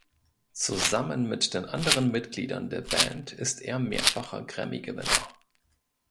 Zusammen mit den anderen Mitgliedern der Band ist er mehrfacher Grammy-Gewinner.